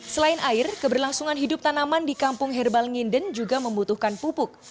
selain air keberlangsungan hidup tanaman di kampung herbal nginden juga membutuhkan pupuk